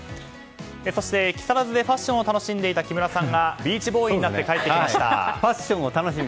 そして、木更津でファッションを楽しんでいた木村さんがビーチボーイになってファッションを楽しむ。